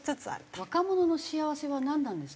若者の幸せはなんなんですか？